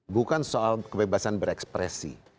bukan soal kebebasan berekspresi